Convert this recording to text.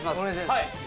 はい。